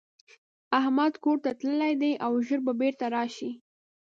احمدکورته تللی دی او ژر به بيرته راشي.